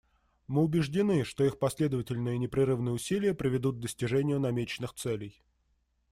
Мы убеждены, что их последовательные и непрерывные усилия приведут к достижению намеченных целей.